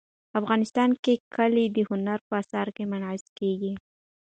افغانستان کې کلي د هنر په اثار کې منعکس کېږي.